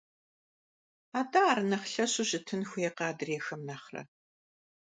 АтӀэ ар нэхъ лъэщу щытын хуейкъэ адрейхэм нэхърэ?».